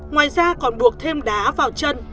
ngoài ra còn buộc thêm đá vào chân